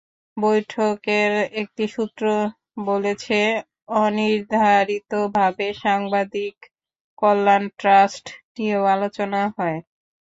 বৈঠকের একটি সূত্র বলেছে, অনির্ধারিতভাবে সাংবাদিক কল্যাণ ট্রাস্ট নিয়েও আলোচনা হয়।